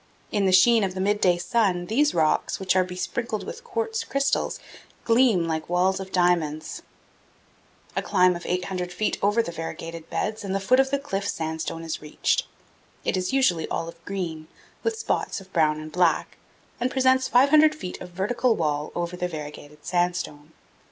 In the sheen of the midday sun, these rocks, which are besprinkled with quartz crystals, gleam like walls of diamonds. A climb of 800 feet over the variegated beds and the foot of the cliff sandstone is reached. It is usually olive green, with spots of brown and black, and presents 500 feet of vertical wall over the variegated sand stone.